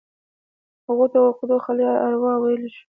له غوټو او عقدو خالي اروا ويلی شو.